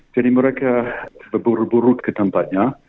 jadi mereka berburu buru ke tempatnya